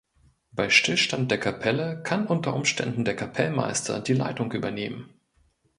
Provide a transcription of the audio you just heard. Bei Stillstand der Kapelle kann unter Umständen der Kapellmeister die Leitung übernehmen.